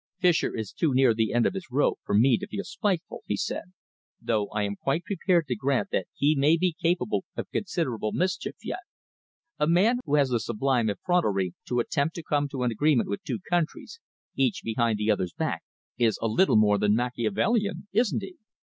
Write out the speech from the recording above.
"Fischer is too near the end of his rope for me to feel spiteful," he said, "though I am quite prepared to grant that he may be capable of considerable mischief yet. A man who has the sublime effrontery to attempt to come to an agreement with two countries, each behind the other's back, is a little more than Machiavellian, isn't he?"